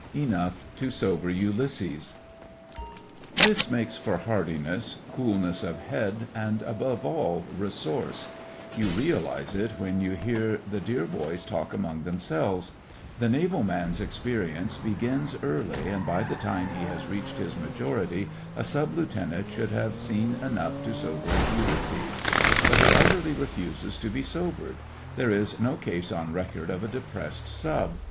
ENOUGH TO SOBER ULYSSES This makes for hardiness, coolness of head, and above all resource. You realise it when you hear the dear boys talk among themselves. The Naval man's experience begins early, and by the time he has reached his majority a Sub Lieutenant should have seen enough to sober Ulysses. But he utterly refuses to be sobered. There is no case on record of a depressed Sub.